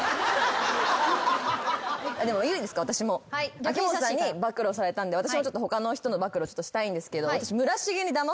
秋元さんに暴露されたんで私も他の人の暴露したいんですけど。